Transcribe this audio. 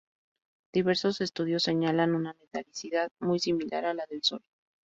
Diversos estudios señalan una metalicidad muy similar a la del Sol.